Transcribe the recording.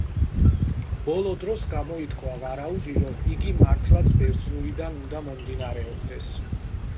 ბოლო დროს გამოითქვა ვარაუდი, რომ იგი მართლაც ბერძნულიდან უნდა მომდინარეობდეს.